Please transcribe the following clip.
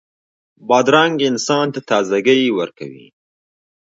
بادرنګ انسان ته تازهګۍ ورکوي.